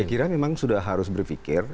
saya kira memang sudah harus berpikir